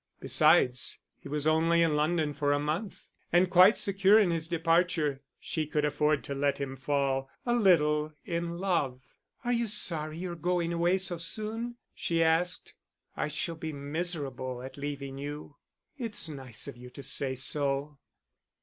Besides, he was only in London for a month, and, quite secure in his departure, she could afford to let him fall a little in love. "Are you sorry you're going away so soon?" she asked. "I shall be miserable at leaving you." "It's nice of you to say so."